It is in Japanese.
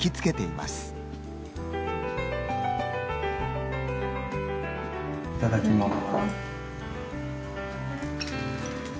いただきます。